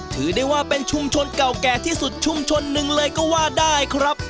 ถือได้ว่าเป็นชุมชนเก่าแก่ที่สุดชุมชนหนึ่งเลยก็ว่าได้ครับ